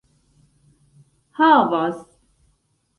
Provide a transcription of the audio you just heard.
havas